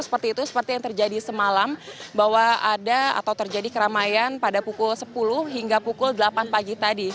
seperti itu seperti yang terjadi semalam bahwa ada atau terjadi keramaian pada pukul sepuluh hingga pukul delapan pagi tadi